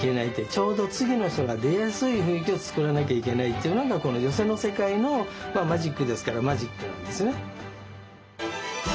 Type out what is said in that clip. ちょうど次の人が出やすい雰囲気を作らなきゃいけないっていうのがこの寄席の世界のマジックですからマジックなんですね。